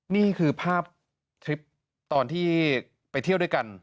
นี่คือภาพทริปตอนที่ไปเที่ยวด้วยกัน